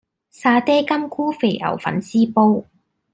沙嗲金菇肥牛粉絲煲